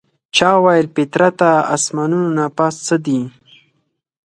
چا ویل فطرته اسمانونو نه پاس څه دي؟